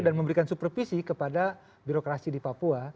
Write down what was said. dan memberikan supervisi kepada birokrasi di papua